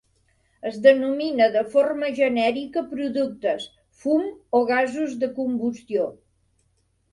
Es denomina de forma genèrica productes, fum o gasos de combustió.